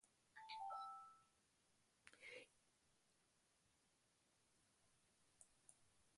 Ikusmen urritasuna dutenentzat, audiodeskribapena entzuteko aukera egongo da.